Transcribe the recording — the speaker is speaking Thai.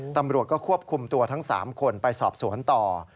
ตำรวจก็ควบคุมตัวทั้ง๓คนไปสอบสวนต่อ